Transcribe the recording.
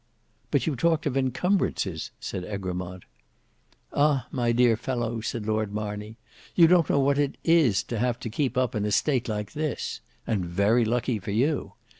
"But you talked of incumbrances," said Egremont. "Ah! my dear fellow," said Lord Marney, "you don't know what it is to have to keep up an estate like this; and very lucky for you.